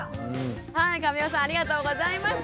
はい亀尾さんありがとうございました。